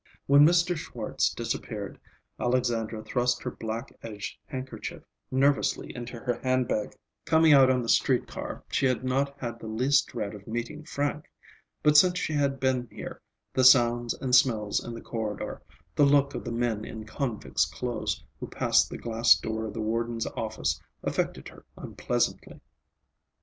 When Mr. Schwartz disappeared, Alexandra thrust her black edged handkerchief nervously into her handbag. Coming out on the streetcar she had not had the least dread of meeting Frank. But since she had been here the sounds and smells in the corridor, the look of the men in convicts' clothes who passed the glass door of the warden's office, affected her unpleasantly.